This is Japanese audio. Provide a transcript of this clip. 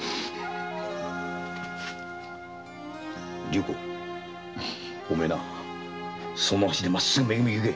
龍虎お前その足でまっすぐ「め組」へ行け。